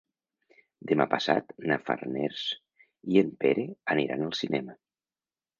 Demà passat na Farners i en Pere aniran al cinema.